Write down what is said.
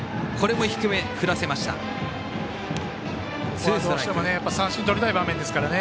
ここはどうしても三振をとりたい場面ですから。